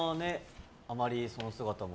あまり、その姿も。